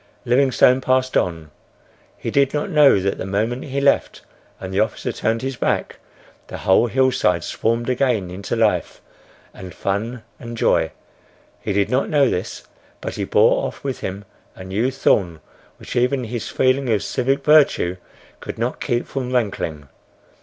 Livingstone passed on. He did not know that the moment he left and the officer turned his back, the whole hillside swarmed again into life and fun and joy. He did not know this; but he bore off with him a new thorn which even his feeling of civic virtue could not keep from rankling.